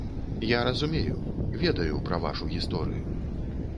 Я разумею, ведаю пра вашу гісторыю.